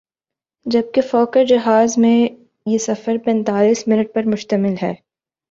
جبکہ فوکر جہاز میں یہ سفر پینتایس منٹ پر مشتمل ہے ۔